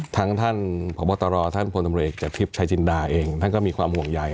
ทั้งท่านพบตรท่านพลตมริกจักรคิพ์ชัยจินดาเองท่านก็มีความห่วงใย